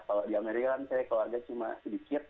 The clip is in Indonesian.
kalau di amerika kan keluarga saya cuma sedikit